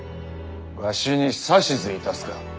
わしに指図いたすか。